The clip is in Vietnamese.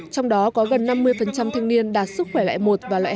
trong đó có gần năm mươi thanh niên đạt sức khỏe loại một và loại hai